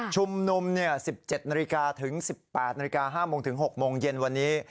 ชุมนุม๑๗นถึง๑๘นห้าโมงถึงหกโมงเย็นวันนี้